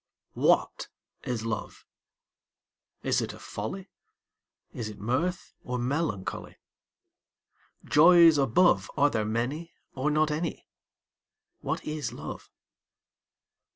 WHAT is Love? Is it a folly, Is it mirth, or melancholy? Joys above, Are there many, or not any? What is Love?